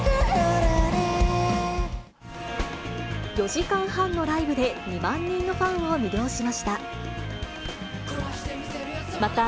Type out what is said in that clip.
４時間半のライブで２万人のファンを魅了しました。